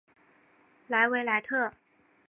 莱维莱特。